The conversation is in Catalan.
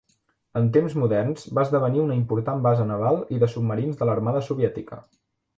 En temps moderns va esdevenir una important base naval i de submarins de l'Armada soviètica.